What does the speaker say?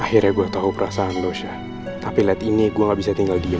akhirnya gue tahu perasaan lucia tapi lihat ini gue nggak bisa tinggal diem